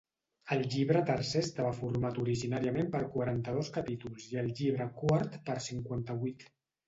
El llibre tercer estava format originàriament per quaranta-dos capítols i el llibre quart per cinquanta-vuit.